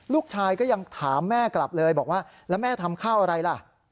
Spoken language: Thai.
ลูกชายก็ยังถามแม่กลับเลยบอกว่าแล้วแม่ทำข้าวอะไรล่ะ